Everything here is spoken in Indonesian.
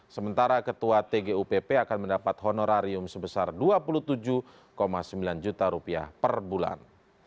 sementara ketua tgupp akan mendapat honorarium sebesar rp dua puluh tujuh sembilan juta rupiah per bulan